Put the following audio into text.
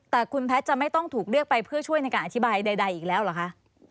แต่คุณแพทย์จะไม่ต้องถูกเลือกไปเพื่อช่วยในการอธิบายใดอีกแล้วเหรอคะ